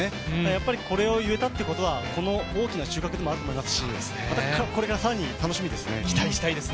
やっぱりこれを言えたということは大きな収穫でもあると思いますしまた、これから更に楽しみですね。